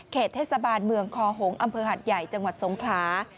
เทศบาลเมืองคอหงษ์อำเภอหัดใหญ่จังหวัดสงขลา